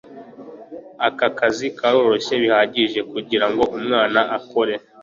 Aka kazi karoroshye bihagije kugirango umwana akore.